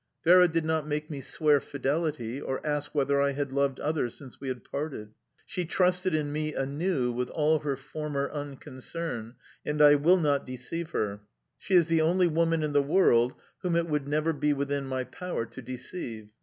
Vera did not make me swear fidelity, or ask whether I had loved others since we had parted... She trusted in me anew with all her former unconcern, and I will not deceive her: she is the only woman in the world whom it would never be within my power to deceive.